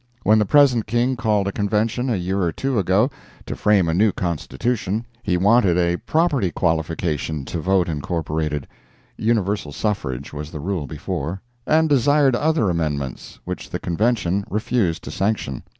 When the present King called a Convention, a year or two ago, to frame a new Constitution, he wanted a property qualification to vote incorporated (universal suffrage was the rule before) and desired other amendments, which the Convention refused to sanction.